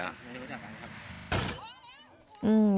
ไม่ได้รู้จักกันครับ